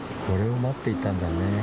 これを待っていたんだね。